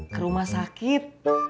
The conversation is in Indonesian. ke rumah sakit